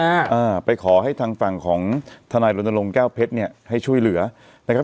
อ่าไปขอให้ทางฝั่งของทนายรณรงค์แก้วเพชรเนี้ยให้ช่วยเหลือนะครับ